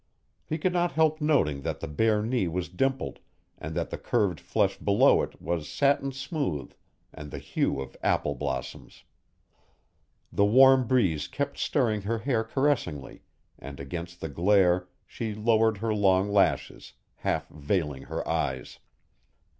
He could not help noting that the bare knee was dimpled and that the curved flesh below it was satin smooth and the hue of apple blossoms. The warm breeze kept stirring her hair caressingly and, against the glare, she lowered her long lashes, half veiling her eyes.